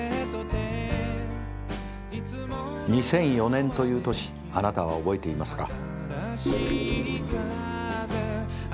２００４年という年あなたは覚えていますか？